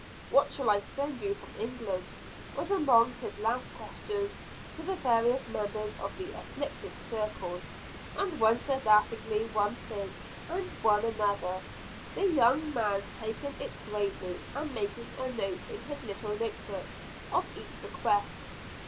"What shall I send you from England?" was among his last questions to the various members of the "afflicted circle." And one said laughingly one thing, and one another; the young man taking it gravely, and making a note in his little notebook of each request.